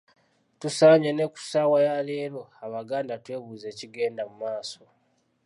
Tusaanye ne ku saawa ya leero Abaganda twebuuze ekigenda mu maaso.